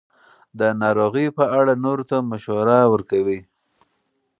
د ناروغیو په اړه نورو ته مشوره ورکوي.